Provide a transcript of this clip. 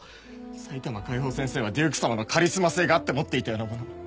埼玉解放戦線はデュークさまのカリスマ性があって持っていたようなもの。